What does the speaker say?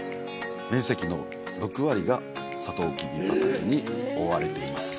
面積の６割がサトウキビ畑に覆われています。